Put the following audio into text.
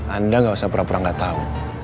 anda gak usah pura pura gak tahu